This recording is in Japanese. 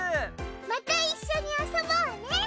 またいっしょに遊ぼうね。